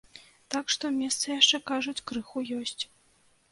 Так што месца яшчэ, кажуць, крыху ёсць.